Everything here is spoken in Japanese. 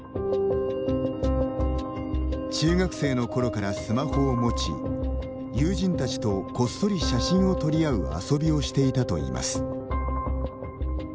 中学生の頃からスマホを持ち友人たちとこっそり写真を撮り合う遊びをしていたといいます。